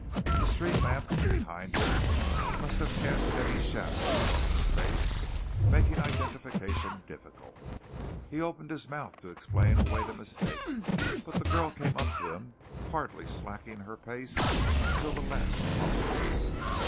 The street lamp behind him must have cast heavy shadows across his face making identification difficult. He opened his mouth to explain away the mistake, but the girl came up to him, hardly slackening her pace until the last possible moment.